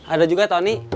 ada juga tony